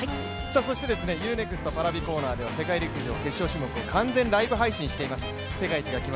そしてＵ−ＮＥＸＴＰａｒａｖｉコーナーでは世界陸上を完全ライブ配信しています。